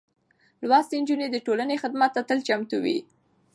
لوستې نجونې د ټولنې خدمت ته تل چمتو وي.